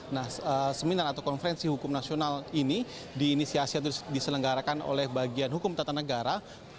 nah seminar atau konferensi hukum nasional ini diinisiasi atau diselenggarakan oleh bagian hukum tata negara